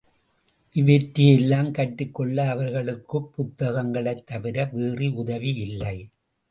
இவற்றையெல்லாம் கற்றுக்கொள்ள அவர்களுக்குப் புத்தகங்களைத் தவிர வேறு உதவியில்லை.